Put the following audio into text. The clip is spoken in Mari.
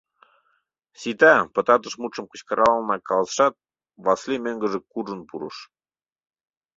Сита! — пытартыш мутшым кычкыралынак каласышат, Васлий мӧҥгыжӧ куржын пурыш.